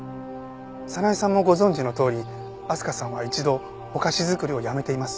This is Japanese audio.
早苗さんもご存じのとおり明日香さんは一度お菓子作りをやめています。